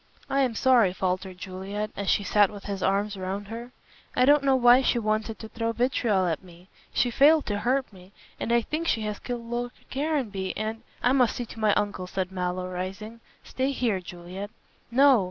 "I am sorry," faltered Juliet, as she sat with his arms round her, "I don't know why she wanted to throw vitriol at me. She failed to hurt me, and I think she has killed Lord Caranby, and " "I must see to my uncle," said Mallow, rising, "stay here, Juliet." "No!